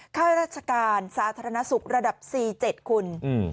ค่าราชการสาธารณสุขระดับ๔๗คุณ